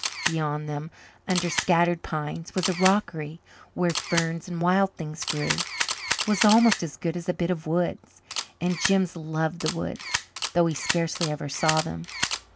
Beyond them, under scattered pines, was a rockery where ferns and wild things grew. It was almost as good as a bit of woods and Jims loved the woods, though he scarcely ever saw them.